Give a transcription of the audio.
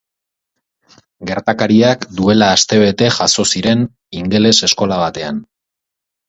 Gertakariak duela astebete jazo ziren ingeles eskola batean.